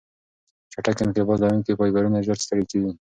چټک انقباض لرونکي فایبرونه ژر ستړې کېږي.